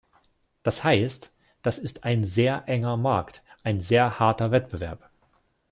Das heißt, das ist ein sehr enger Markt, ein sehr harter Wettbewerb!